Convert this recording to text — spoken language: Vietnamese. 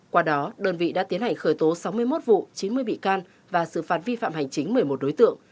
qua đó đơn vị đã tiến hành khởi tố sáu mươi một vụ chín mươi bị can và xử phạt vi phạm hành chính một mươi một đối tượng